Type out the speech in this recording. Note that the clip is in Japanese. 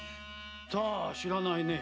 さぁ知らないね。